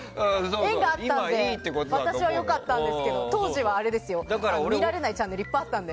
縁があったので私は良かったんですけど当時はあれですよ見られないチャンネルいっぱいあったので。